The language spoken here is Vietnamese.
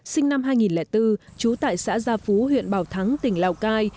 sinh năm hai nghìn bốn trú tại xã gia phú huyện bảo thắng tỉnh lào cai